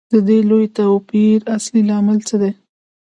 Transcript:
د دې لوی توپیر اصلي لامل څه دی